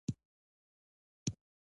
تا قران مل یارو ونه پوښتلئ